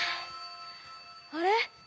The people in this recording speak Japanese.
あれ？